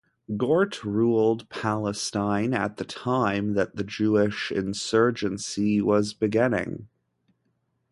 Gort ruled Palestine at the time that the Jewish insurgency was beginning.